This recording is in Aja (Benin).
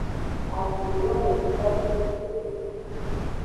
Avun lo woko kekede.